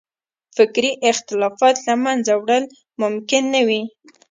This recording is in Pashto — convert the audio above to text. فکري اختلافات له منځه وړل ممکن نه وي.